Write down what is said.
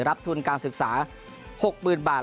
รับทุนการศึกษา๖๐๐๐บาท